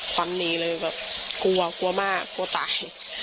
ฟันหนีเลยแบบกลัวกลัวมากกลัวตาย